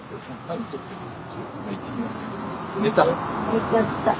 寝ちゃった。